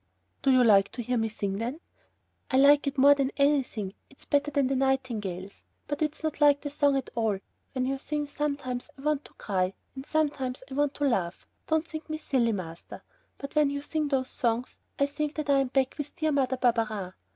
"Do you like to hear me sing, then?" "I like it more than anything. It is better than the nightingales, but it's not like their song at all. When you sing, sometimes I want to cry, and sometimes I want to laugh. Don't think me silly, master, but when you sing those songs, I think that I am back with dear Mother Barberin.